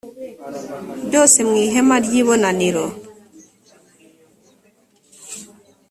byose mu ihema ry ibonaniro